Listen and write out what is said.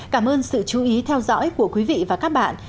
cảm ơn sự chú ý theo dõi của quý vị và các bạn